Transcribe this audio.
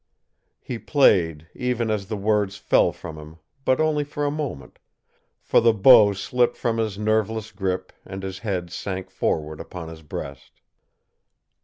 He played, even as the words fell from him, but only for a moment for the bow slipped from his nerveless grip and his head sank forward upon his breast.